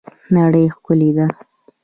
نړۍ ښکلې ده